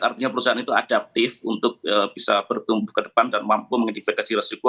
artinya perusahaan itu adaptif untuk bisa bertumbuh ke depan dan mampu mengidentifikasi resiko